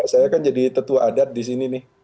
saya kan jadi tetua adat di sini nih